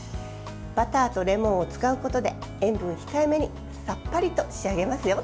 バターとレモンを使うことで塩分控えめにさっぱりと仕上げますよ。